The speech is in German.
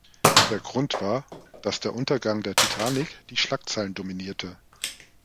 Der Grund war, dass der Untergang der Titanic die Schlagzeilen dominierte.